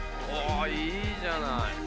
おいいじゃない！